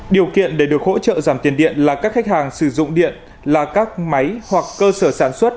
điều kiện để được hỗ trợ giảm tiền điện là các khách hàng sử dụng điện là các máy hoặc cơ sở sản xuất